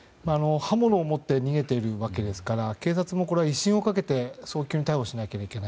刃物を持って逃げているわけですから警察も威信をかけて早急に逮捕しなければいけない。